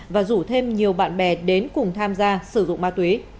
và rủ thêm nhiều bạn bè đến cùng tham gia sử dụng ma túy